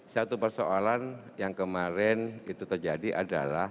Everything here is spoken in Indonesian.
satu persoalan yang kemarin itu terjadi adalah